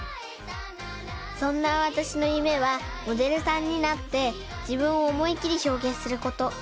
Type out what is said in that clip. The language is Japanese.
そんなわたしのゆめはモデルさんになってじぶんをおもいっきりひょうげんすること。